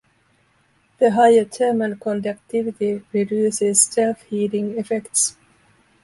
The higher thermal conductivity reduces self-heating effects.